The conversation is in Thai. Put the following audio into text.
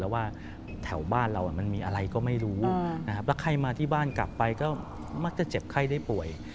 แล้วว่าแถวบ้านเรามันมีอะไรก็ไม่รู้นะครับแล้วใครมาที่บ้านกลับไปก็มักจะเจ็บไข้ได้ป่วย